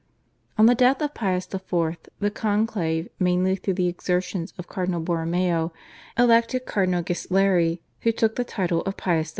On the death of Pius IV. the conclave, mainly through the exertions of Cardinal Borromeo, elected Cardinal Ghisleri, who took the title of Pius V.